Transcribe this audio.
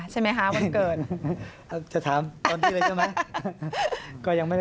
ใช่มั้ยฮะวันเกิด